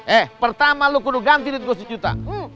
eh pertama lu kudu ganti duit gue sejuta